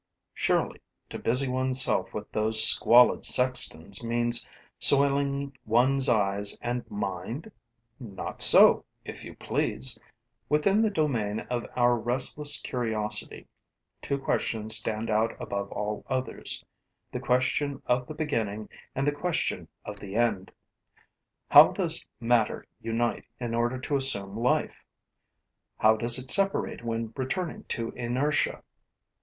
Surely, to busy one's self with those squalid sextons means soiling one's eyes and mind? Not so, if you please! Within the domain of our restless curiosity, two questions stand out above all others: the question of the beginning and the question of the end. How does matter unite in order to assume life? How does it separate when returning to inertia?